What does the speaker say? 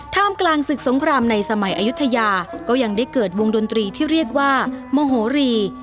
ท่ามกลางศึกสงครามในสมัยอายุทยาก็ยังได้เกิดวงดนตรีที่เรียกว่ามโหรี